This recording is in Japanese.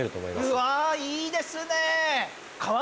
うわいいですね。